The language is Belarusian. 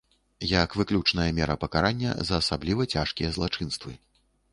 Як выключная мера пакарання за асабліва цяжкія злачынствы.